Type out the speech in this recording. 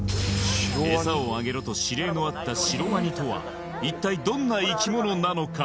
「エサをあげろ」と指令のあったシロワニとは一体どんな生き物なのか？